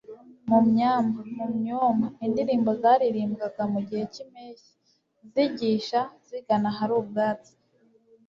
Mu myama (mu myoma) : indirimbo zaririmbwaga mu gihe cy'impeshyi, zigisha (zigana ahari ubwatsi).